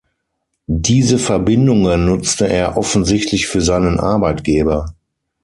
Diese Verbindungen nutzte er offensichtlich für seinen Arbeitgeber.